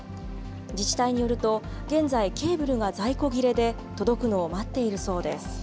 自治体によると現在、ケーブルが在庫切れで届くのを待っているそうです。